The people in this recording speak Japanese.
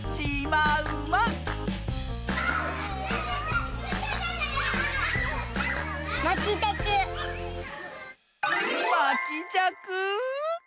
まきじゃく！